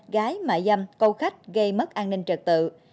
gái mại dâm câu khách gây mất an ninh trật tự